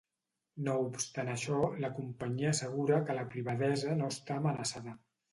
No obstant això, la companyia assegura que la privadesa no està amenaçada.